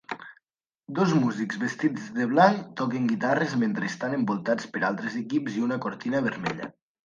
Dos músics vestits de blanc toquen guitarres mentre estan envoltats per altres equips i una cortina vermella.